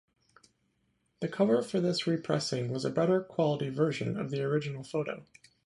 The cover for this repressing was a better quality version of the original photo.